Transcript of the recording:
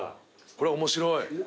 これ面白い。